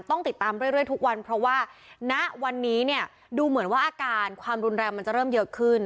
ต้องติดตามเรื่อยทุกวันเพราะว่าณวันนี้เนี่ยดูเหมือนว่าอาการความรุนแรงมันจะเริ่มเยอะขึ้น